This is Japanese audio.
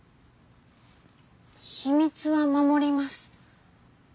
秘密は守ります。